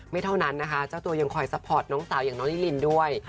เท่านั้นนะคะเจ้าตัวยังคอยซัพพอร์ตน้องสาวอย่างน้องลิลินด้วย